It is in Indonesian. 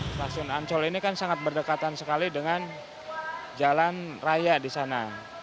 stasiun ancol ini kan sangat berdekatan sekali dengan jalan raya di sana